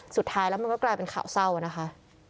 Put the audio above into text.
สุดท้ายแล้วมันก็กลายเป็นข่าวเศร้านะคะ